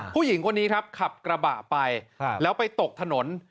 ผู้หญิงคนนี้ครับขับกระบะไปแล้วไปตกถนน